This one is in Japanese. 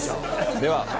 では。